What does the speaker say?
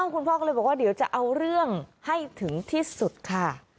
คุณพ่อก็เลยบอกว่าเดี๋ยวจะเอาเรื่องให้ถึงที่สุดค่ะ